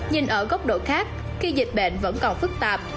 nhìn ở góc độ khác khi dịch bệnh vẫn còn phức tạp